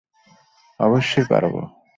অবশ্যই, পারব।